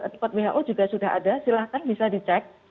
kita sudah bahkan ke report who juga sudah ada silahkan bisa dicek